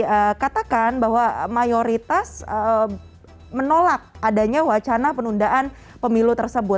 tadi dikatakan bahwa mayoritas menolak adanya wacana penundaan pemilu tersebut